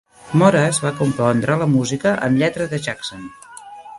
Moraz va compondre la música, amb lletra de Jackson.